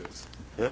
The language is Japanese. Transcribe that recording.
えっ？